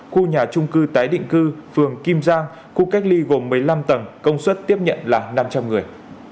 khu nhà trung cư tái định cư phường kim giang khu cách ly gồm một mươi năm tầng công suất tiếp nhận là năm trăm linh người